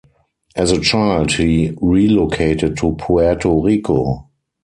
As a child, he relocated to Puerto Rico.